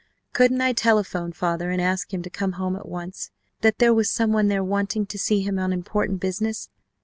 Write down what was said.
Couldn't I telephone father and ask him to come home at once, that there was someone there wanting to see him on important business?